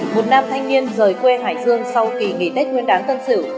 một nam thanh niên rời quê hải dương sau kỳ nghỉ tết nguyên đáng tân sử